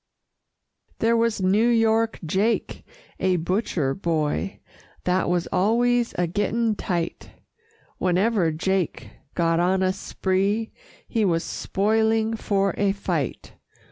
There was New York Jake, a butcher boy, That was always a getting tight; Whenever Jake got on a spree, He was spoiling for a fight.